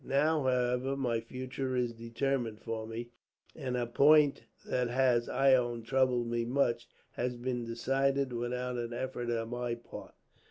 Now, however, my future is determined for me; and a point that has, I own, troubled me much, has been decided without an effort on my part."